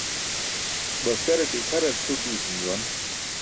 Baskaraṭe ikʰarar cʰur diwsum juwan.